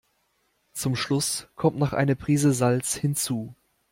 Zum Schluss kommt noch eine Prise Salz hinzu.